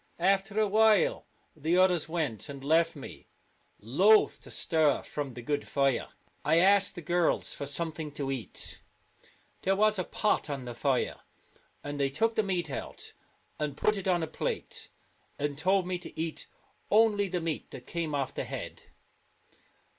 After a while the others went, and left me, loath to stir from the good fire. I asked the girls for something to eat. There was a pot on the fire, and they took the meat out and put it on a plate, and told me to eat only the meat that came off the head.